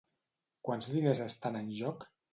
Quants diners estan en joc?